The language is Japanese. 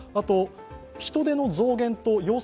人出の増減と要請